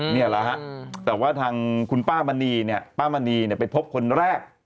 นี่แหละฮะแต่ว่าทางคุณป้ามณีเนี่ยป้ามณีไปพบคนแรก